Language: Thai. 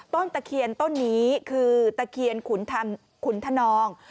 ตะเคียนต้นนี้คือตะเคียนขุนธนอง